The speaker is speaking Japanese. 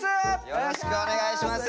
よろしくお願いします。